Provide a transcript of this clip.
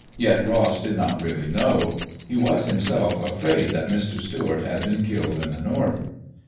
Yet Ross did not really know. He was himself afraid that Mr. Stuart had been killed in the north.